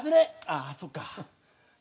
ああ、そっか。